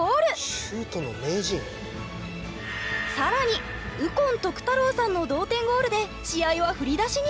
更に右近徳太郎さんの同点ゴールで試合は振り出しに。